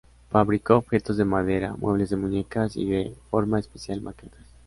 Fabricó objetos de madera, muebles de muñecas y de forma especial maquetas.